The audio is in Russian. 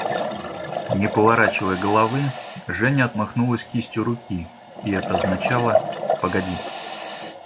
Не поворачивая головы, Женя отмахнулась кистью руки, и это означало: «Погоди!..